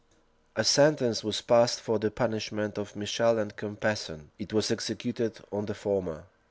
[*] A sentence was passed for the punishment of Michel and Mompesson.[] It was executed on the former.